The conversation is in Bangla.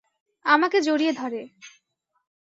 আমাকে জড়িয়ে ধরে।